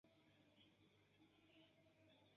Do ek!